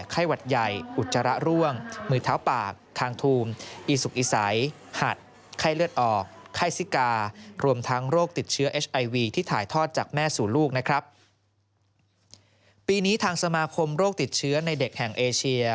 ปีนี้ทางสมาคมโรคติดเชื้อในเด็กแห่งเอเชีย